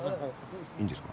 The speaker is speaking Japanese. いいんですか？